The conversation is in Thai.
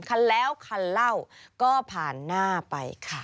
คันแล้วคันเล่าก็ผ่านหน้าไปค่ะ